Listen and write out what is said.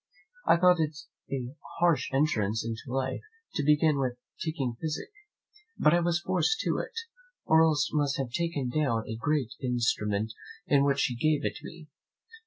I thought it a harsh entrance into life, to begin with taking physic; but I was forced to it, or else must have taken down a great instrument in which she gave it me.